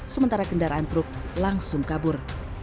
sementara kendaraan truk langsung kabur